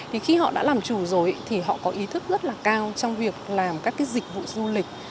thì khi họ đã làm chủ rồi thì họ có ý thức rất là cao trong việc làm các cái dịch vụ du lịch